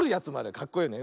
かっこいいよね。